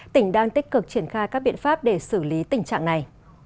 tỉnh đang tích cực triển khai các biện pháp để xử lý tình trạng này